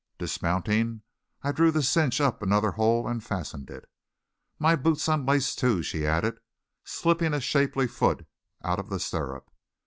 Dismounting, I drew the cinch up another hole and fastened it. "My boot's unlaced, too," she added, slipping a shapely foot out of the stirrup.